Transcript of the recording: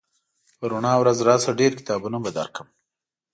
په رڼا ورځ راشه ډېر کتابونه به درکړم